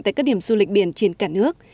tại các điểm du lịch biển trên cả nước